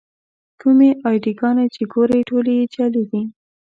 کومې اې ډي ګانې چې ګورئ ټولې یې جعلي دي.